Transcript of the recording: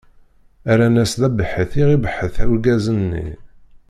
Rran-as: D abeḥḥet i ɣ-ibeḥḥet urgaz-nni.